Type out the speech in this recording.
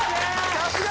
さすが！